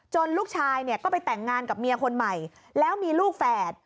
ลูกชายเนี่ยก็ไปแต่งงานกับเมียคนใหม่แล้วมีลูกแฝด